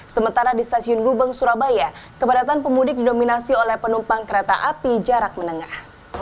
sementara di stasiun gubeng surabaya kepadatan pemudik didominasi oleh penumpang kereta api jarak menengah